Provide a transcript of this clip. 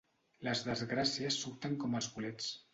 Les desgràcies surten com els bolets.